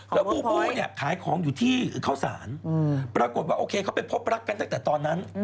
แล้วบูบูเนี่ยขายของอยู่ที่เข้าสารปรากฏว่าโอเคเขาไปพบรักกันตั้งแต่ตอนนั้น